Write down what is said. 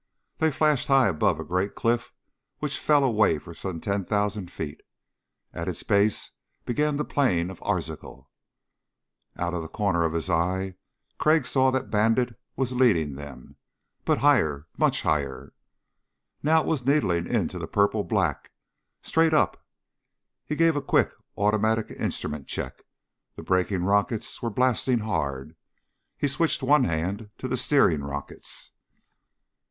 They flashed high above a great cliff which fell away for some ten thousand feet. At its base began the plain of Arzachel. Out of the corner of his eye Crag saw that Bandit was leading them. But higher ... much higher. Now it was needling into the purple black straight up. He gave a quick, automatic instrument check. The braking rockets were blasting hard. He switched one hand to the steering rockets.